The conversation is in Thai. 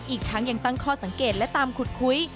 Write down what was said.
อีกทั้งยังตั้งข้อสังเกตและตามขุดคุย